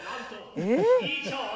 えっ？